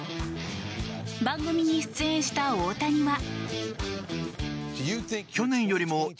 番組に出演した大谷は。